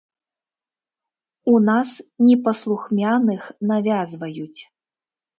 У нас непаслухмяных навязваюць!